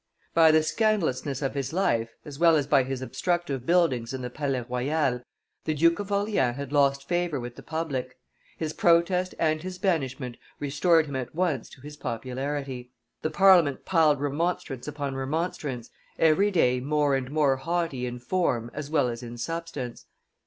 By the scandalousness of his life, as well as by his obstructive buildings in the Palais Royal, the Duke of Orleans had lost favor with the public; his protest and his banishment restored him at once to his popularity. The Parliament piled remonstrance upon remonstrance, every day more and more haughty in form as well as in substance.